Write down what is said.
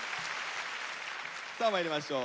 さあまいりましょう。